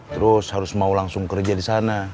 terus harus mau langsung kerja disana